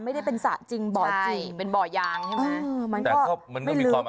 ไม่ได้เป็นสระจิงบ่อยางใช่เป็นบ่อยางใช่ไหม